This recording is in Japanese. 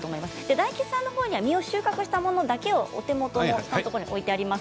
大吉さんのほうには実を収穫したものだけをお手元に置いてあります。